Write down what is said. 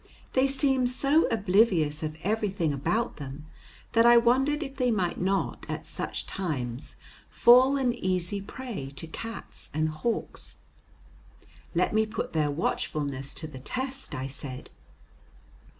They seemed so oblivious of everything about them that I wondered if they might not at such times fall an easy prey to cats and hawks. Let me put their watchfulness to the test, I said.